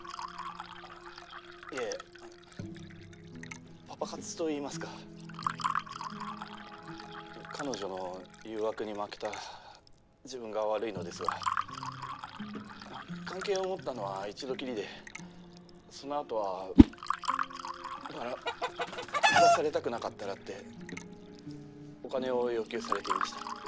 あいえあのパパ活といいますか彼女の誘惑に負けた自分が悪いのですが関係を持ったのは一度きりでそのあとはバラバラされたくなかったらってお金を要求されていました。